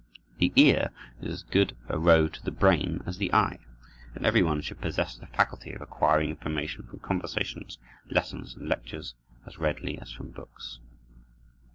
The ear is as good a road to the brain as the eye, and every one should possess the faculty of acquiring information from conversations, lessons, and lectures, as readily as from books.